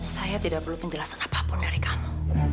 saya tidak perlu penjelasan apapun dari kamu